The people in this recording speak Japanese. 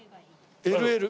ＬＬ。